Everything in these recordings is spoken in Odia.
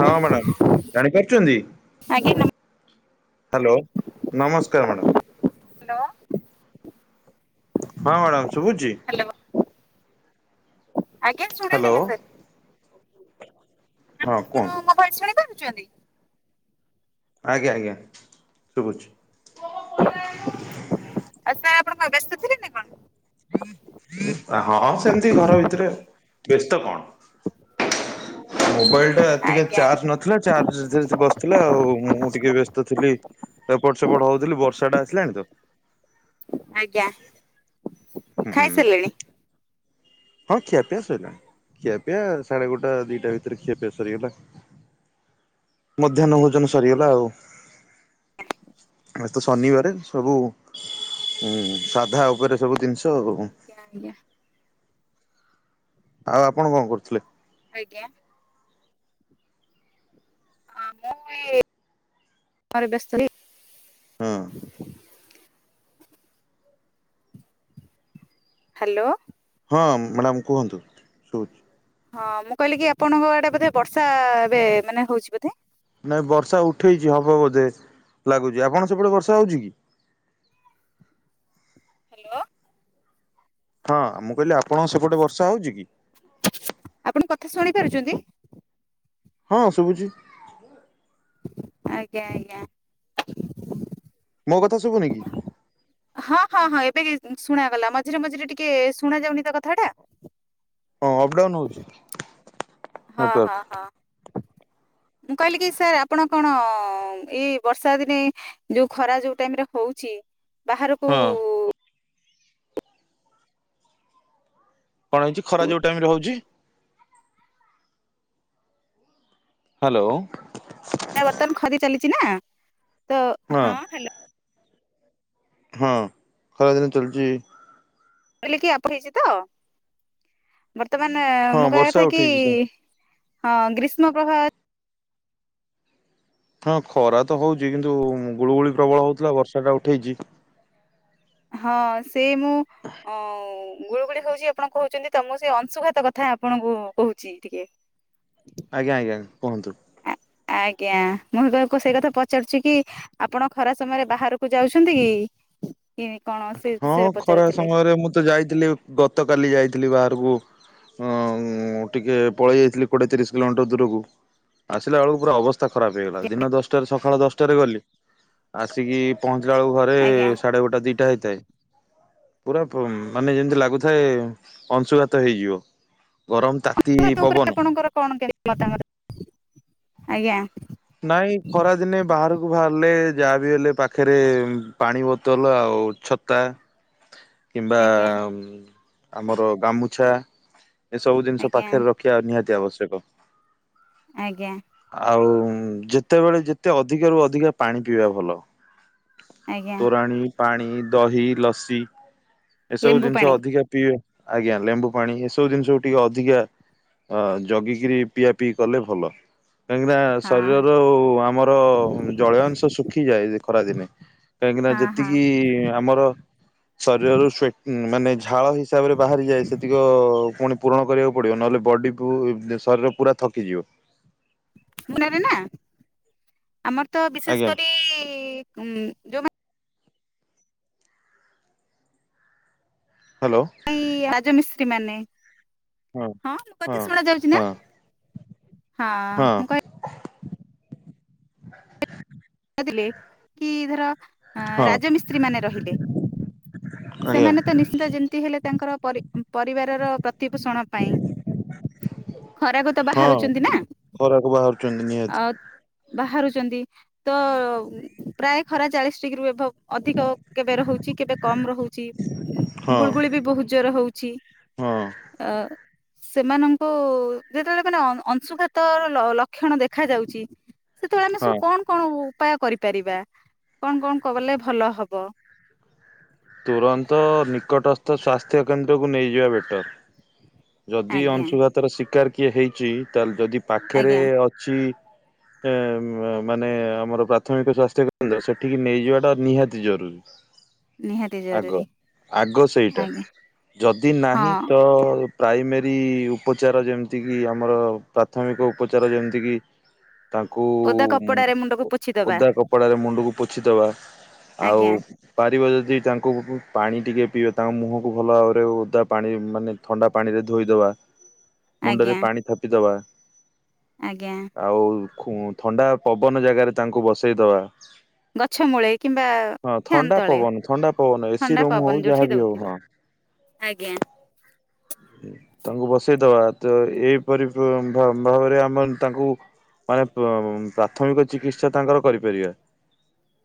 ହଁ ମ୍ୟାଡ଼ାମ ଜାଣିପାରୁଛନ୍ତି? ଆଜ୍ଞା ନମ ହାଲୋ ନମସ୍କାର ମ୍ୟାଡ଼ାମ୍ ହ୍ୟାଲୋ। ହଁ ମ୍ୟାଡ଼ାମ ସୁୁଭୁଛି? ଆଜ୍ଞା ଶୁଣାଗଲା ସାର୍। ହଁ କୁହନ୍ତୁ। ଚୋଦି ଆଜ୍ଞା ଆଜ୍ଞା ଶୁଭୁଛି। ଆଉ ସାର୍ ଆପଣଙ୍କ ବ୍ୟସ୍ତ ଥିଲେ ନା କଣ? ହଁ ସେମିତି ଘର ଭିତରେ ବ୍ୟସ୍ତ କଣ? ମୋବାଇଲ ଟା ଟିକେ ଆଜ୍ଞା ଚାର୍ଜ ନଥିଲା ଚାର୍ଜ ବସିଥିଲା ଆଉ ମୁଁ ଟିକେ ବ୍ୟସ୍ତ ଥିଲି। ଏପଟ ସେପଟ ହଉଥିଲି ବର୍ଷାଟା ଆସିଲାଣି ତ ଆଜ୍ଞା ହୁଁ ଖାଇ ସାଲେଣି? ହଁ ଖିଆପିଆ ସଇଲାଣି। ଖିଆପିଆ ସାଢ଼େ ଗୋଟା ଦିଟା ଭିତରେ ଖିଆପିଆ ସରିଗଲା। ମଧ୍ୟାହ୍ନ ଭୋଜନ ସରିଗଲା ଆଉ। ଆମେ ତ ଶନିବାର ସବୁ ଉଁ ସାଧା ଓପରେ ସବୁ ଦିନିଷ ତ ଉ ଆଜ୍ଞା ଆଉ ଆପଣ କଁ କରୁଥୁଲେ? ଆଜ୍ଞା? ଅ ମୁଁ ଏ ମରେ ବ୍ୟସ୍ତ ହି ହଁ। ହାଲୋ। ହଁ ମାଡ଼ାମ କୁହନ୍ତୁ ଶୁବୁ ହଁ ମୁଁ କହିଲି କି ଆପଣଙ୍କ ଆଡ଼େ ବୋଧେ ବର୍ଷା ଏବେ ମାନେ ହଉଚି ବୋଧେ? ନାଇଁ ବର୍ଷା ଉଠେଇଚି ହବ ବୋଧେ ଲାଗୁଚି ଆପଣ ସେପଟେ ବର୍ଷା ହଉଚି କି? ହାଲୋ। ହଁ ମୁଁ କହିଲି ଆପଣଙ୍କ ସେପଟେ ବର୍ଷା ହଉଚି କି? ଆପଣ କଥା ଶୁଣି ପାରୁଚନ୍ତି? ହଁ ଶୁବୁଚି। ଆଜ୍ଞା ଆଜ୍ଞା। ମୋ କଥା ଶୁବୁନି କି? ହଁ ହଁ ହଁ ଏବେ କି ଶୁଣାଗଲା ମଝିରେ ମଝିରେ ଟିକେ ଶୁଣା ଯାଉନି ତ କଥାଟା। ହଁ ଅପ ଡାଉନ୍ ହଉଚି। ହଁ ହଁ ହଁ। ମୁଁ କହିଲି କି ସାର୍ ଆପଣ କଣ ହଁ ଏଇ ବର୍ଷା ଦିନେ ଯୋଉ ଖରା ଯୋଉ ଟାଇମେରେ ହୋଉଛି ବାହାରୁକୁ ହଁ। କଣ ହେଇଚି ଖରା ଯୋଉ ଟାଇମ୍ ରେ ହଉଚି? ହାଲୋ ବର୍ତ୍ତମାନ ଖରି ଚାଲିଛି ନା ତ ହଁ ହାଲୋ। ହଁ ଖରାଦିନ ଚଲୁଚି। ମୁିଲ କଇଲି କି ଆପ ହେଇଚି ତ ମୋର୍ ତ ମାନେ ହଁ ମୁଁ କହିବା ବର୍ଷା କଥା କି ଉଠେଇଛି ତ। ହଁ, ଗ୍ରୀଷ୍ମ ପ୍ରହା ହଁ ଖରା ତ ହୋଉଚି କିନ୍ତୁ ଗୁଳୁଗୁଳି ପ୍ରବଳ ହୋଉଥୁଲା ବର୍ଷାଟା ଉଠେଇଚି। ହଁ ସେଇ ମୁଁ ଅ ଗୁଳଗୁଳି ହୋଉଚି ଆପଣ କୋହୁଚନ୍ତି ତ ମୁଁ ସେଇ ଅଂଶୁଘାତ କଥା ଆପଣଙ୍କୁ କୋହୁଚି ଟିକେ। ଆଜ୍ଞା ଆଜ୍ଞା। କୁହନ୍ତୁ। ଆଜ୍ଞା। ମୁହୁଁ ତାକୁ ସେଇ କଥା ପଚାରୁଛି କି ଆପଣ ଖରାପ ସମୟରେ ବାହାରୁକୁ ଯାଉଛନ୍ତି କି? [inaudible] କି କଣ ସେ ହଁ ବିଷୟରେ ଖରା ପଚାରୁଥିଲେ ସମୟରେ ମୁଁ ତ ଯାଇଥିଲି ଗତ କଲି ଯାଇଥିଲି ବାହାରୁକୁ। ଅଁ ଟିକେ ପଳେଇ ଯାଇଥିଲି କୋଡ଼ିଏ ତିରିଶ କିଲୋମିଟର୍ ଦୂରକୁ। ଆସିଲା ଅଳୁ ପୁରା ଅବସ୍ଥା ଖରାପ ହେଇଗଲା। ଦିନ ଦଶଟାରେ, ସକାଳ ଦଶଟାରେ ଗଲି ଆସିକି ପହ ଯେ ଆଉ ଘରେ, ଆଜ୍ଞା। ସାଢ଼େ ଗୋଟା ଦିଟା ହେ ପୁରା ପ ମାନେ ଯେମିତି ଲାଗୁଥାଏ ଅଂଶୁଘାତ ହେଇଯିବ ଗରମ ତାତି [inaudible] ଉପରେ ପବନ ଆପଣଙ୍କର କଣ କେମିତି ମତାମତ। ଆଜ୍ଞା। ନାଇଁ ଖରାଦିନେ ବାହାରୁକୁ ଭାରଲେ ଯାହା ବିି ହେଲେ ପାଖେରେ ପାଣି ବୋତଲ ଆଉ ଛତା କିମ୍ବା ଆଜ୍ଞା ଆମର ଗାମୁଛା। ଏସବୁ ଦିନଷ ଆଜ୍ଞା ପାଖରେ ରଖିବା ନିହାତି ଆବଶ୍ୟକ। ଆଜ୍ଞା ଆଉ ଯେତେବେଳେ, ଯେତେ ଅଧିକ ରୁ ଅଧିକା ପାଣି ପିଇବା ଭଲ। ଆଜ୍ଞା ତୋରାଣି ପାଣି, ଦହି, ଲସି। ଏସବୁ ଲେମ୍ବୁ ଜିନିଷ ପାଣି ଅଧିକା ପିଇବେ। ଆଜ୍ଞା। ଲେମ୍ବୁ ପାଣି, ଏସବୁ ଜିନିଷକୁୁ ଟିକେ ଅଧିକା ଅ ଜଗିକିରି, ପିଆ ପିଇ କଲେ ଭଲ। କାହିଁକିନା ହଁ ଶରୀରର, ଆମର ଜଳୀୟ ଅଂଶ ଶୁଖିଯାଏ ଖରାଦିନେ। କାହିଁକି ନା, ହଁ ହଁ ଯେତିକି ଆମର ଶରୀରରୁ, ମାନେ ଝାଳ ହିସାବରେ ବାହାରିଯାଏ। ସେତିକ ପୁଣି ପୂରଣ କରିବାକୁ ପଡିବ। ନହେଲେ ବଡିକୁ ଶରୀର ପୁରା ଥକିଯିବ। ମୁଁ ନେବି ନା। ଆମର ତ ବିଶେଷ ଆଜ୍ଞା କରି ଉ ଯୋଉମାନେ ହ୍ୟାଲୋ ଏଇ ରାଜମିସ୍ତ୍ରୀ ମାନେ ହଁ ମୋ ହଁ କଥା ଶୁଣା ଯାଉଛି ନା? ହଁ ହଁ -ମୁଁ କହୁ [inaudible] ଥିଲି କି ଧର, ହଁ ହଁ ରାଜମିସ୍ତ୍ରୀ ମାନେ ରହିଲେ। ଆଜ୍ଞା ସେମାନେ ତ ନିଶ୍ଚିତ ଯେମିତି ହେଲେ, ତାଙ୍କର ପରି ପରିବାରର ପ୍ରତିପୋଷଣ ପାଇଁ, ଖରାକୁ ତ ବାହାରୁଛନ୍ତି ନା। କରୁଛନ୍ତି ନିହାତି। ଆଉ ବାହାରୁଛନ୍ତି ତ, ପ୍ରାୟ ଖରା ଚାଳିଶ ଡିଗ୍ରୀ ରୁ ଏଭବ। ଅଧିକ କେବେ ରହୁଛି, କେବେ କମ ରହୁଛି, ହଁ ଗୁଳୁଗୁଳି ବି ବହୁତ ଜୋର ହଉଛି। ହଁ। ଅ। ସେମାନଙ୍କୁ ଯେତେବେଳେ, ମାନେ ଅଂଶୁଘାତର ଲକ୍ଷଣ ଦେଖ ଯାଉଛି। ସେତେବେଳେ ଆମେ ହଁ ସବୁ କଣ ଉପାୟ କରିପାରିବା। କଣ କଣ କଲେ ଭଲ ହବ? ତ ସ୍ୱାସ୍ଥ୍ୟ କେନ୍ଦ୍ରକୁୁ ନେଇଯିବା ବେଟର। ଯଦି ଆଜ୍ଞା ଅଂଶୁଘାତର ଶିକାର କିଏ ହେଇଛି, ତାହେଲେ ଯଦି ପାଖରେ ଆଜ୍ଞା ଅଛି ମାନେ ଆମର ପ୍ରାଥମିକ ସ୍ଵାସ୍ଥ୍ୟ କେନ୍ଦ୍ର, ସେଠିକି ନେଇଯିବାଟା ନିହାତି ଜରୁରୀ। [inaudible] ନିହାତି ଆଗ, ଜରୁରୀ ଆଗ ସେଇଟା। ଆଜ୍ଞା ଯଦି ନାହିଁ ହଁ ତ ପ୍ରାଇମେରୀ ଉପଚାର। ଯେମିତିକି ଆମର ପ୍ରାଥମିକ ଉପଚାର ଯେମିତିକି ତାଙ୍କୁ ଓଦା କପଡାରେ ମୁଣ୍ଡକୁ ପୋଛିଦବା ଓଦା କପଡାରେ, ମୁଣ୍ଡକୁ ପୋଛିଦବା। ଆଉ ଆଜ୍ଞା ପାରିବ ଯଦି ତାଙ୍କୁ, ପାଣି ଟିକେ ପିଇବା ତାଙ୍କ ମୁହଁକୁ ଭଲ ଭାବରେ ଓଦା ପାଣିରେ, ମାନେ ଥଣ୍ଡା ପାଣିରେ ଧୋଇଦବା। ମୁଣ୍ଡରେ ଆଜ୍ଞା ପାଣି ଥାପିଦବା। ଆଜ୍ଞା। ଆଉ ଥଣ୍ଡା ପବନ ଜାଗାରେ ତାଙ୍କୁ ବସେଇଦବା। ଗଛ ମୂଳେ କିମ୍ବା ହଁ ଫ୍ୟାନ ଥଣ୍ଡା ତଳେ। ପବନ ପବନ ଏସି ଥଣ୍ଡା ରୁମ୍ ହଉ ପବନ ଯୋଉଠି ଯାହାବି ହଉ ଦଉଥିବ ହଁ ଆଜ୍ଞା। ତାଙ୍କୁ ବସେଇଦବା ତ ଏଇପରି ଭାବରେ ଆମର ତାଙ୍କୁ ମାନେ ପ୍ରାଥମିକ ଚିକିତ୍ସା ତାଙ୍କର କରିପାରିବା।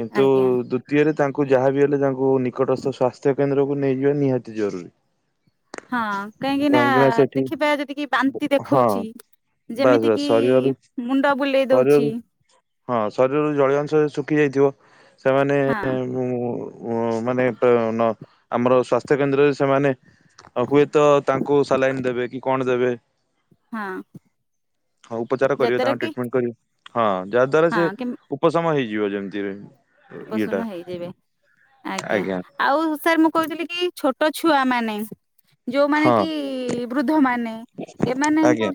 କିନ୍ତୁ ଆଜ୍ଞା ଦ୍ଵିତୀୟରେ ତାଙ୍କୁ ଯାହାବି ହେଲେ ତାଙ୍କୁ ନିକଟସ୍ଥ ସ୍ଵାସ୍ଥ୍ୟ କେନ୍ଦ୍ରକୁ ନେଇଯିବା ନିହାତି ଜରୁରୀ। ହଁ କାହିଁକି ନା ଦେଖିବା ଯଦି କି ବାନ୍ତି ହଁ ଦେଖୋଉଛି। ବାସ୍ ଯେମିତି ବାସ୍ କିି ଶରୀରରୁ ମୁଣ୍ଡ ବୁଲେଇ ଦଉଛି। ଶରୀରରୁ ହଁ ଶରୀରରୁ ଜଳୀୟ ଅଂଶ ଶୁଖି ଯାଇଥିବ, ସେମାନେ ହଁ ହଁ ମାନେ ନ ଆମର ସ୍ୱାସ୍ଥ୍ୟକେନ୍ଦ୍ରରେ ସେମାନେ ଆଉ ହୁଏତ ତାଙ୍କୁ ସାଲାଇନ୍ ଦେବେ କି କଣ ଦେବେ? ହଁ। ହଁ ଉପଚାର କରିବେ ଯାଦ୍ଵାରା ତାଙ୍କ କି ଟ୍ରିଟମେଣ୍ଟ କରିବେ, ହଁ ଯାହା ଦ୍ଵାରା ସେ ହଁ କି ଉପଶମ ହେଇ ଯିବ ଯେମିତି ରେ। ଉପଶମ ହେଇଯିବେ ଆଜ୍ଞା ଆଉ ସାର୍ ମୁଁ କହୁଥିଲି କି ଛୋ ଛୋଟ ଛୁଆ ମାନେ। ଯୋଉମାନେ ହଁ କି ଅ ମାନେ ଆଜ୍ଞା।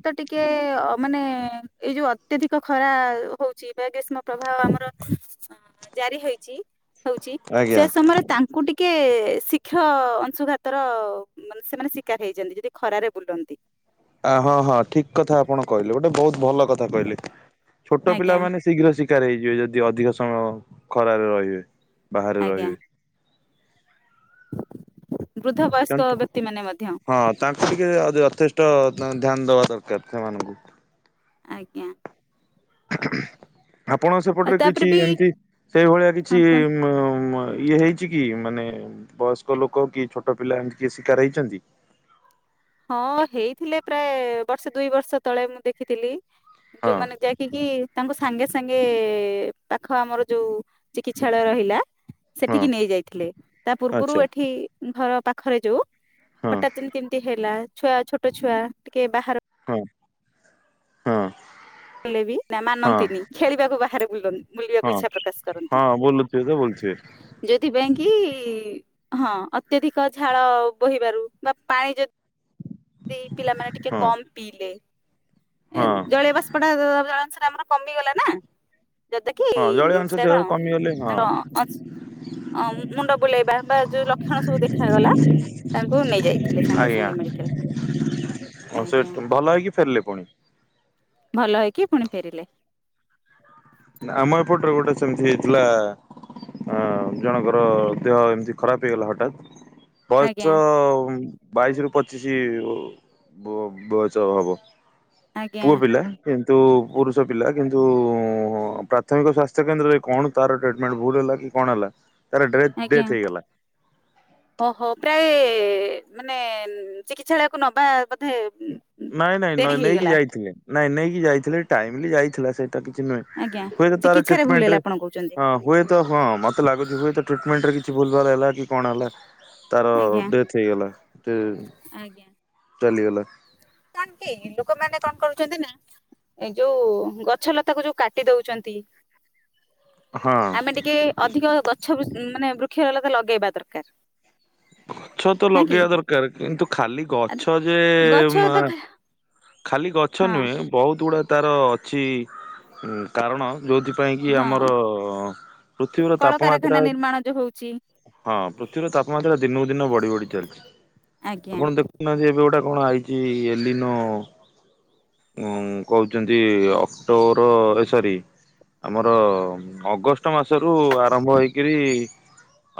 ଜାରି ହେଇଛି ହଉଛି ଆଜ୍ଞା ସେ ଶିକ୍ଷ ଅଂଶୁଘାତର ମାନେ ସେମାନେ ଶିକାର ହେଇଛନ୍ତି ଯଦି ଖରାରେ ବୁଲନ୍ତି। ଆ ହଁ ଆଜ୍ଞା ଛୋଟ ପିଲା। ବାହାରେ ଆଜ୍ଞା ରହିବେ। ବୃଦ୍ଧ ବୟସ୍କ ବ୍ୟକ୍ତି ମାନେ ମଧ୍ୟ [inaudible] ପ୍ରଥା ମାନଙ୍କୁ। ଆଜ୍ଞା। [inaudible] ଇଏ ହେଇଛି ଆଉ ତାପରେ ବି ହଁ କୁହନ୍ତୁ କି ମାନେ [inaudible] ହଁ ହେଇଥିଲେ ପ୍ରାୟ ବର୍ଷେ ଦୁଇ ବର୍ଷ ତଳେ ମୁଁ ଦେଖିଥିଲି। ହଁ ଯୋଉମାନେ ଯାଇକିକି ତାଙ୍କ। ସାଙ୍ଗେ ସାଙ୍ଗେ ପାଖ ଆମର ଯୋଉ ଚିକିତ୍ସାଳୟ ରହିଲା। ହଁ ସେଠିକି ନେଇ ଯାଇଥିଲେ ତା ପୂର୍ବରୁ ଆଚ୍ଛା ଏଠି ଘର ପାଖରେ ଯୋଉ। ହଁ ହଠାତ୍ ତିନିଟି ହେଲା ଛୁଆ ଛୋଟ ଛୁଆ ଟିକେ ବାହାର। ହଁ ହଁ। କଲେ ବି ନା ହଁ ମାନନ୍ତିନି ଖେଳିବାକୁ ବାହାରେ ବୁଲନ୍ତି। ବୁଲିବାକୁ ହଁ ଇଚ୍ଛା ପ୍ରକାଶ କରନ୍ତି ହଁ ବୁଲୁଥିବେ ତ ବୁଲୁଥିବେ ଯଦି। ହଁ ଅତ୍ୟଧିକ ଝାଳ ବୋହିବାରୁ ବା ପାଣି ଯଦି। ପିଲାମାନେ ଟିକେ ହଁ କମ ପିଇଲେ ହଁ। ଜଳେଇବା। ଜଳ ଅଂଶ ଟା ଆମର କମି ଗଲା ନା। ଯଦ କି ହଁ ଜଳୀୟ ଅଂଶ ସେଟା ଦେହରୁ କମିଗଲେ ହଁ କଣ ତ। ଅ ମୁଣ୍ଡ ବୁଲେଇବା ବା ଯୋଉ ଲକ୍ଷଣ ସବୁ ଦେଖାଗଲା ତାଙ୍କୁ ନେଇ ଯାଇଥିଲେ ସାଙ୍ଗେ ସାଙ୍ଗେ ମେଡିକାଲ। ହଁ ସେ ଆଜ୍ଞା ଭଲ ହେଇକି ଫେରିଲେ ପୁଣି। ଭଲ ହେଇକି ପୁଣି ଫେରିଲେ। ଆମ ଅପଟର ଗୋଟେ ସେମତି ହେଇଥିଲା। ଜଣଙ୍କର ଦେହ ଏମିତି ଖରାପ ହେଇଗଲା ହଠାତ୍ ଆଜ୍ଞା ବୟସ। ବାଇଶ ରୁ ପଚିଶି ବୟସ ହବ। ଆଜ୍ଞା ପୁଅ ପିଲା କିନ୍ତୁ ପୁରୁଷ ପିଲା କିନ୍ତୁ। ପ୍ରାଥମିକ ସ୍ୱାସ୍ଥ୍ୟକେନ୍ଦ୍ରରେ କଣ ତାର ଟିଟମେଣ୍ଟ ଭୁଲ ହେଲା କି କଣ ହେଲା ତାର ଡେଥ୍ ଆଜ୍ଞା ଡେଥ୍ ହେଇଗଲା ଓହୋ ପ୍ରାୟ ମାନେ ଚିକିତ୍ସାଳୟକୁ ନବା ବୋଧେ ନାଇଁ ନାଇଁ, ନ ଡେରି ନେଇକି ହେଇଗଲା ଯାଇଥିଲେ ନାଇଁ ନେଇକି ଯାଇ ଟାଇମଲି ଯାଇଥିଲା ସେଇଟା କିଛି ନୁହେଁ ଆଜ୍ଞା ହୁଏତ ଚିକିତ୍ସାରେ ଭୁଲ ହେଲା ତାରମେଣ୍ଟରେ ଆପଣ କହୁଛନ୍ତି ହଁ ହୁଏତ ହଁ ମତେ ଲାଗୁଛି ହୁଏତ ଟ୍ରିଟମେଣ୍ଟ ରେ କିଛି ଭୁଲ ଭଲ ହେଲା କି କଣ ହେଲା ତାର ଆଜ୍ଞା ଡେଥ ହେଇଗଲା ଏ ଆଜ୍ଞା। ଚାଲିଗଲା କଣ କି ଲୋକମାନେ କଣ କରୁଛନ୍ତିନା ଏ ଯୋଉ ଗଛ ଲତାକୁ ଯୋଉ କାଟି ଦଉଛନ୍ତି ହଁ ଆମେ ଟିକେ ଅଧିକ ଗଛ ମାନେ ବୃକ୍ଷରଲତ ଲଗେଇବା ଦରକାର ଗଛତ ନା କି? ଲଗେଇବା ଦରକାର କିନ୍ତୁ ଖାଲି ଗଛ ଯେ ଛ ଉମ, ତ ଖ ଖାଲି ଗଛ ନୁହେଁ, ବହୁତ ଗୁଡ଼ାଏ ତାର ଅଛି କାରଣ ଯୋଉଥିପାଇଁ କି ହଁ ଆମର ପୃଥିବୀର ତାପମାତ୍ରା କଳକାରଖାନା ନିର୍ମାଣ ଯୋଉ ହଉଛି। ହଁ ପୃଥିବୀର ତାପମାତ୍ରା ଦିନକୁ ଦିନ ବଢି ବଢି ଚାଲିଛି, ଆଜ୍ଞା ଆପଣ ଦେଖୁନାହାନ୍ତି ଏବେ ଗୋଟା କଣ ଆଇଚି ଏଲିନ ହଁ କହୁଛନ୍ତି ଅକ୍ଟୋବର ଏ ସରି ଆମର ଅଗଷ୍ଟ ମାସରୁ ଆରମ୍ଭ ହେଇକିରି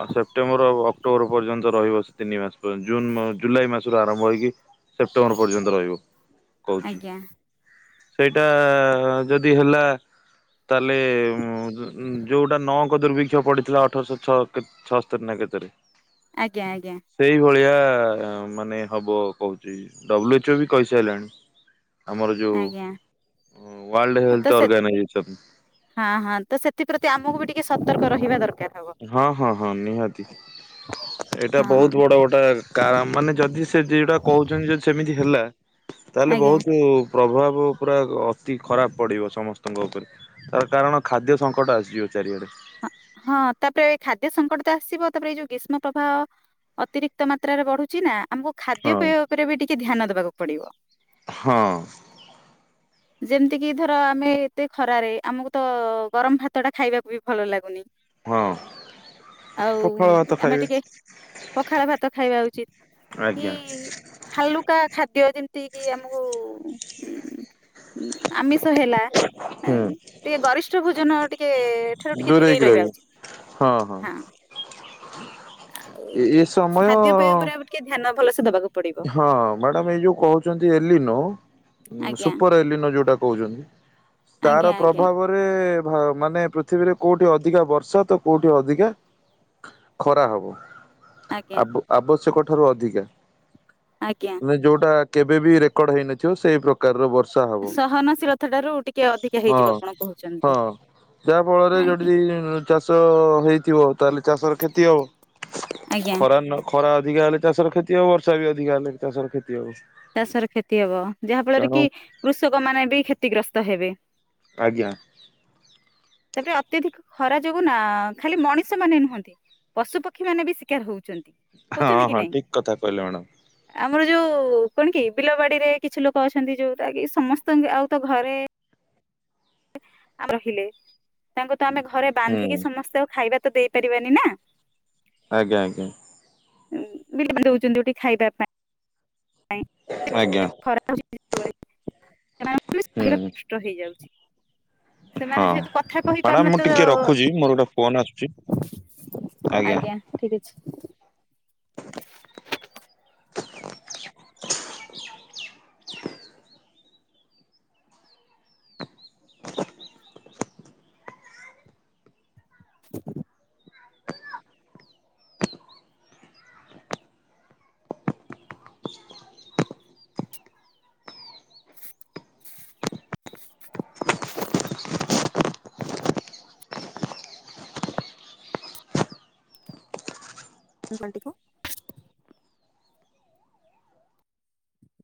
ଆ ସେପ୍ଟେମ୍ବର ଆଉ ଅକ୍ଟୋବର ପର୍ଯ୍ୟନ୍ତ ରହିବ ସେ ତିନିମାସ ପଯ ଜୁନ ମ ଜୁଲାଇ ମାସରୁ ଆରମ୍ଭ ହେଇକି ସେପ୍ଟେମ୍ବର ପର୍ଯ୍ୟନ୍ତ ରହିବ କହୁଛି। ଆଜ୍ଞା ସେଇଟା ଯଦି ହେଲା ତାହେଲେ ଉ ଯୋ ଉ ଯୋଉଟା ନଅଙ୍କ ଦୁର୍ଭିକ୍ଷ ପଡିଥିଲା ଅଠରଶହ ଛଅତୋରି ଛଅସ୍ତରି ନା କେତେରେ। ଆଜ୍ଞା ଆଜ୍ଞା ସେଇ ଭଳିଆ ଆ ମାନେ ହବ କହୁଛି, ଡବଲୁ ଏଚ ଓ ବି କହିସାରିଲାଣି। ଆମର ଯୋଉ ୱାର୍ଲଡ ହଁ ହେଲ୍ଥ ତ ସେ ଅର୍ଗାନାଇଜେସନ ହଁ ହଁ ତ ସେଥିପ୍ରତି ଆମକୁ ବି ଟି କେ ସତର୍କ ରହିବା ଦର୍ ହଁ ହଁ ହଁ ନିହାତି। ଏଇଟା ହଁ ବୋହୁତ୍ ବଡ଼ ଗୋଟେ କାଳ ମାନେ ଯଦି ସେ ଦି ଟା କହୁଛନ୍ତି ଯଦି ସେମିତି ହେଲା, ତାହେଲେ ଆଜ୍ଞା ବହୁତୁ ପ୍ରଭାବ ପୁରା ଅତି ଖରାପ ପଡ଼ିବ ସମସ୍ତଙ୍କ ଉପରେ, ତାର କାରଣ ଖାଦ୍ୟସଙ୍କଟ ଆସିଯିବ ଚାରିଆଡେ। ହଁ ହଁ ତାପରେ ଖାଦ୍ୟ ସଙ୍କଟ ତ ଆସିବ ତାପରେ ଏଇ ଯୋଉ ଗ୍ରୀଷ୍ମ ପ୍ରବାହ ଅତିରିକ୍ତ ମାତ୍ରାରେ ବଢ଼ୁଛି ନା ଆମକୁ ଖାଦ୍ୟ ହଁ ପେୟ ଉପରେ ବି ଟିକେ ଧ୍ୟାନ ଦବାକୁ ପଡ଼ିବ। ହଁ। ଯେମିତିକି ଧର ଆମେ ଏତେ ଖରାରେ ଆମକୁତ ଗରମ୍ ଭାତଟା ଖାଇବାକୁ ବି ଭଲ ଲାଗୁନି। ହଁ ଆଉ ପଖାଳ ଭାତ ଆମେ ଖାଇବେ। ଟିକେ ପଖାଳ ଭାତ ଖାଇବା ଉଚିତ୍। କି ହୁଁ ହାଲୁକା ଖାଦ୍ୟ ଯେମିତିକି ଆମକୁ ହୁଁ ହୁଁ ଆମିଷ ହେଲା ଆ ଟିକେ ଗରିଷ୍ଠ ଭୋଜନ ଟିକେ ଠାରୁ ଟିକେ ଦୂରେଇ ଦୂରେଇକି ରହିବା ଆଉ। ରହିବେ ହଁ ହଁ। ଆଉ ଏ ଏ ସମୟ ଖାଦ୍ୟପେୟ ଉପରେ ଆଉ ଟିକେ ଧ୍ୟାନ ଭଲ ସେ ହଁ ମ୍ୟାଡାମ ଏଇ ଯୋଉ କହୁଛନ୍ତି ଏଲିନୋ, ଆଜ୍ଞା ସୁପର୍ ଏଲିନୋ ଯୋଉଟା ଟା କହୁଛନ୍ତି ତାର ଆଜ୍ଞା ଆଜ୍ଞା ପ୍ରଭାବରେ ଭା ମାନେ ପୃଥିବୀରେ କୋଉଠି ଅଧିକା ବର୍ଷା ତ କୋଉଠି ଅଧିକା ଖରା ହବ। ଆଜ୍ଞା ଆବ-ଆବଶ୍ୟକ ଠାରୁ ଅଧିକା, ଆଜ୍ଞା ମାନେ ଯୋଉଟା କେବେ ବି ରେକର୍ଡ ହେଇନଥିବ ସେଇ ପ୍ରକାରର ବର୍ଷ୍ ସହନଶୀଳତା ଠାରୁ ଟିକେ ଅଧିକା ହଁ ହେଇଯିବ ଆପଣ କହୁଛନ୍ତି। ହଁ। ଯାହା ଫଳରେ ଆଜ୍ଞା ଯଦି ଚାଷ ହେଇ ଥିବା ତାହେଲେ ଚାଷର କ୍ଷତି ହବ। ଆଜ୍ଞା ଖରା ନ ଖରା ଅଧିକା ହେଲେ ଚାଷର କ୍ଷତି ହବ ବର୍ ଷା ବି ଅଧିକା ଚାଷର କ୍ଷତି ହବ ଚାଷର କ୍ଷତି ହବ ଯାହା ଫଳରେ ତେଣୁ କି କୃଷକ ମାନେ ବି କ୍ଷତିଗ୍ରସ୍ତ ହେବେ। ଆଜ୍ଞା। ତାପରେ ଅତ୍ୟଧିକ ଖରା ଯୋଗୁ ନା ଖାଲି ମଣିଷ ମାନେ ନୁହନ୍ତି ପଶୁ ପକ୍ଷୀ ମାନେ ବି ଶିକାର ହୋଉଚନ୍ତି। ହଁ ହଁ ଠିକ୍ କଥା କହିଲେ ମାଡାମ୍। ଆମର ଯୋଉ କଣ କି ବିଲ ବାଡ଼ିରେ କିଛି ଲୋକ ଅଛନ୍ତି ଯୋଉଟା କି ସମସ୍ତଙ୍କୁ ଆଉ ତ ଘରେ ରହିଲେ ତାଙ୍କୁ ତ ଆମେ ଘରେ ବାନ୍ଧିକି ହୁଁ ସମସ୍ତେ ଆଉ ଖାଇବା ତ ଦେଇପାରିବାନି ନା। ଆଜ୍ଞା ଆଜ୍ଞା। ବିଲେ ଦୋଉଛନ୍ତି ଓଟି ଖାଇବା ପାଇଁ। ଆଜ୍ଞା। [unintelligible] ହୁଁ ଖ୍ ଷ୍ଟ ହେଇଯାଉଛି। ସେମାନେ ହଁ ଯେହେତୁ କଥା ମ୍ୟାଡ଼ାମ କହିପାରୁନ ମୁଁ ତ ଟିକେ ରଖୁଛି ମୋର ଗୋଟେ ଫୋନ ଆସୁଛି ଆଜ୍ଞା ଠିକ ଅଛି। ଉଙ୍କା ଟିକୋ।